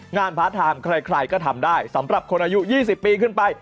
พาร์ทไทม์ใครก็ทำได้สำหรับคนอายุ๒๐ปีขึ้นไป